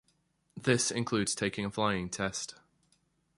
This includes taking a flying test.